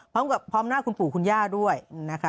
พร้อมกับพร้อมหน้าคุณปู่คุณย่าด้วยนะคะ